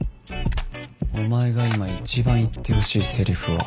お前が今一番言ってほしいせりふは